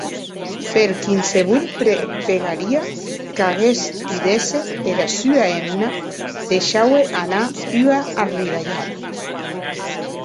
Per quinsevolh pegaria qu’aguest didesse, era sua hemna deishaue anar ua arridalhada.